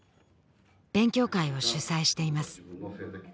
勉強会を主催しています